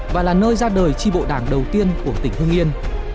và là nơi ra đời chi bộ đảng đầu tiên của tỉnh hương yên